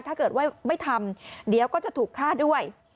ถ้าเกิดว่าไม่ทำเดี๋ยวก็จะถูกฆ่าด้วย